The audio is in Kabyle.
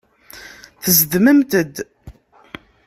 Tezdmemt-d.